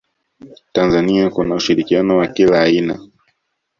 tanzania kuna ushirikiano wa kila aina